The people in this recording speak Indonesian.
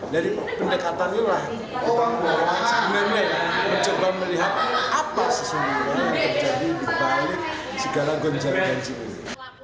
dari pendekatan itu lah kita mulai mencoba melihat apa sesuatu yang terjadi di balik segala gonjar ganjir ini